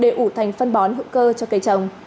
để ủ thành phân bón hữu cơ cho cây trồng